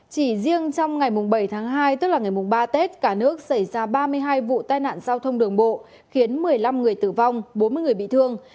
chỉ riêng trong ngày bảy tháng hai tức là ngày ba tết cả nước xảy ra ba mươi hai vụ tai nạn giao thông đường bộ khiến một mươi năm người tử vong bốn mươi người bị thương